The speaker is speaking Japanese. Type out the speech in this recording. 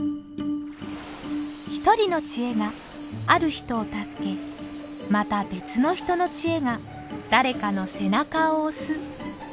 一人のチエがある人を助けまた別の人のチエが誰かの背中を押す。